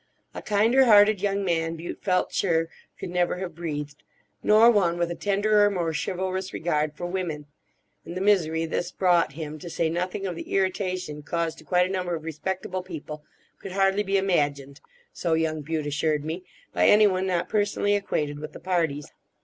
A kinder hearted young man, Bute felt sure, could never have breathed; nor one with a tenderer, more chivalrous regard for women; and the misery this brought him, to say nothing of the irritation caused to quite a number of respectable people, could hardly be imagined, so young Bute assured me, by anyone not personally acquainted with the parties.